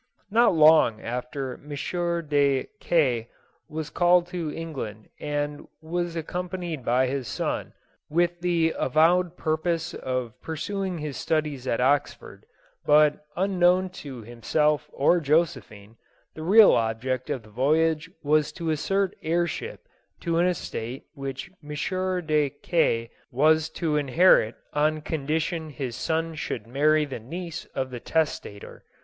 Not long after M. de K ... was called to England and was accompanied by his son, with the avowed pur pose of pursuing his studies at Oxford ; but, unknown to himself or Josephine, the real object of the voyage was to assert heirship to an estate which M. de K ... was to inherit on condition his son should marry the niece of the testator.